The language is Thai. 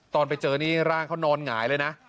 ตอนไปเจอนี่ร่างเขานอนหงายเลยนะ